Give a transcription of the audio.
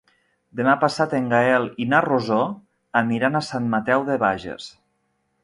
Demà passat en Gaël i na Rosó aniran a Sant Mateu de Bages.